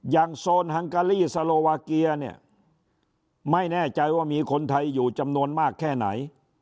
โซนฮังการีสโลวาเกียเนี่ยไม่แน่ใจว่ามีคนไทยอยู่จำนวนมากแค่ไหน